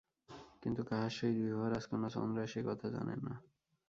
কিন্তু কাহার সহিত বিবাহ রাজকন্যা চন্দ্রা সে কথা জানেন না।